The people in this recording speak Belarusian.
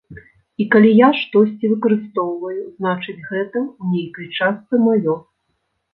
І калі я штосьці выкарыстоўваю, значыць гэта, ў нейкай частцы, маё.